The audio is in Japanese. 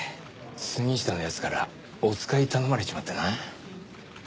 杉下の奴からおつかい頼まれちまってな。